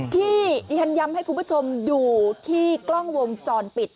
ที่ดิฉันย้ำให้คุณผู้ชมอยู่ที่กล้องวงจรปิด